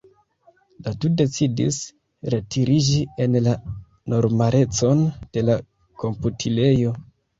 La du decidis retiriĝi en la normalecon de la komputilejo.